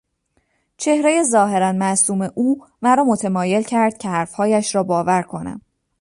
چهرهی ظاهرا معصوم او مرا متمایل کرد که حرفهایش را باور کنم.